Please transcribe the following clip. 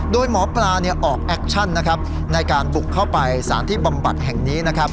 โดยหมอปลาออกแอคชั่นนะครับในการบุกเข้าไปสารที่บำบัดแห่งนี้นะครับ